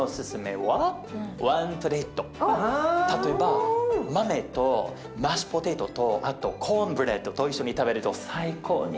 例えば豆とマッシュポテトとあとコーンブレッドと一緒に食べると最高においしいですよ。